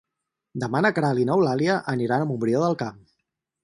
Demà na Queralt i n'Eulàlia aniran a Montbrió del Camp.